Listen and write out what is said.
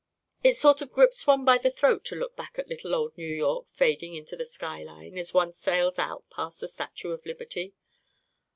It sort of grips one by the throat to look back at little old New York fading into the skyline, as one sails out past the Statue of Liberty.